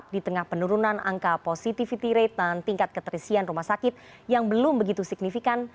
di tengah penurunan angka positivity rate dan tingkat keterisian rumah sakit yang belum begitu signifikan